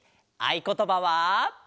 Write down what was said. あいことばは。